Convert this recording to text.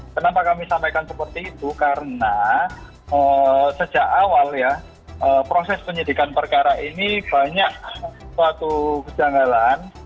kenapa kami sampaikan seperti itu karena sejak awal ya proses penyidikan perkara ini banyak suatu kejanggalan